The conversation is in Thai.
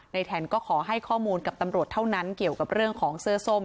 แทนก็ขอให้ข้อมูลกับตำรวจเท่านั้นเกี่ยวกับเรื่องของเสื้อส้ม